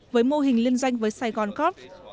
với mô hình liên doanh với saigon corp